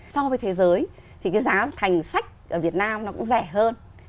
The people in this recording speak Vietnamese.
so với thế giới thì cái giá thành sách ở việt nam nó cũng rẻ hơn